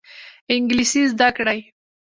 انګلیسي زده کړئ